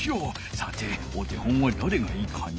さてお手本はだれがいいかな？